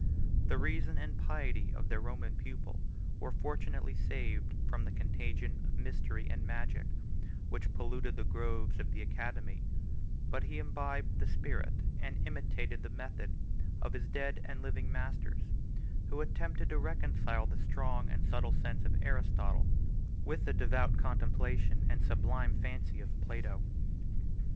The reason and piety of their Roman pupil were fortunately saved from the contagion of mystery and magic, which polluted the groves of the academy; but he imbibed the spirit, and imitated the method, of his dead and living masters, who attempted to reconcile the strong and subtile sense of Aristotle with the devout contemplation and sublime fancy of Plato.